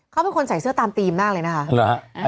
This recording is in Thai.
เขาเป็นคนใส่เสื้อตามธีมมากเลยนะคะ